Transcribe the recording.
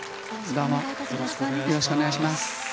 よろしくお願いします。